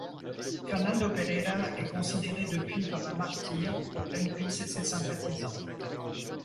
Fernando Pereira est considéré depuis comme un martyr pour Greenpeace et ses sympathisants.